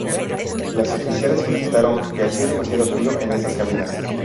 Los oficiales protestaron que hacía demasiado frío en esas cabinas.